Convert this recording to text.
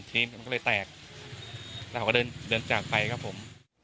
ทีนี้มันก็เลยแตกแล้วเขาก็เดินจากไปครับผม